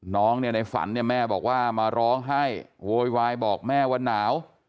น้องในฝันแม่บอกว่ามาร้องให้โวยวายบอกแม่วันหนาว